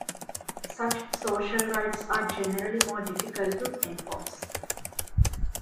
Such social rights are generally more difficult to enforce.